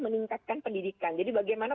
meningkatkan pendidikan jadi bagaimana